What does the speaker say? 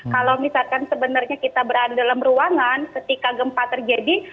kalau misalkan sebenarnya kita berada dalam ruangan ketika gempa terjadi